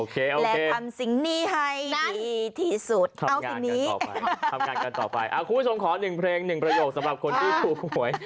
และทำสิ่งนี้ให้ดีที่สุดเอ้าคืนนี้อ่าคุณส่งขอ๑เพลง๑ประโยคสำหรับคนที่ถูกหวย